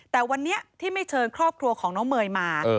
แต่วันนี้ที่ไม่เชิญครอบครัวของน้องเมย์มา